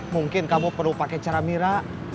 mungkin kamu perlu pakai cara mira